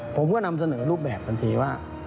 ผมก็นำเสนอรูปแบบทันทีว่า